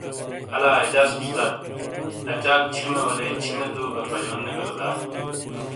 الا اعجاز استاس اچاک چھِیمے والے چھِیمے دُو گہ پالیون نے بلیو دا؟